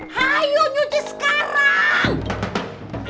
hayu nyuci sekarang